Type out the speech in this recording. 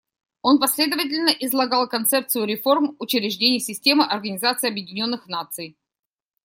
Он последовательно излагал концепцию реформ учреждений системы Организации Объединенных Наций.